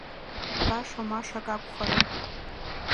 Баша-машак акәхарым.